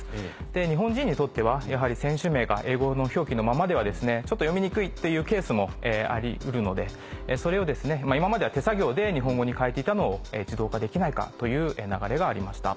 日本人にとってはやはり選手名が英語の表記のままではちょっと読みにくいっていうケースもありうるのでそれを今までは手作業で日本語に変えていたのを自動化できないかという流れがありました。